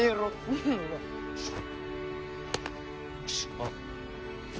あっ。